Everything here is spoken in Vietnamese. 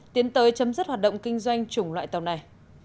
tiến tới chấm dứt hoạt động kinh doanh chủng loại tàu này